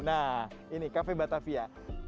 nah ini cafe batavia